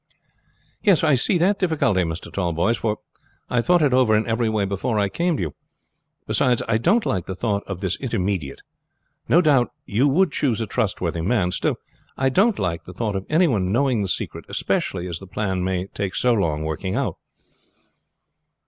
"Yes, I see the difficulty, Mr. Tallboys; for I thought it over in every way before I came to you. Beside I don't like the thought of this intermediate. No doubt you would choose a trustworthy man. Still I don't like the thought of any one knowing the secret, especially as the plan may take so long working out."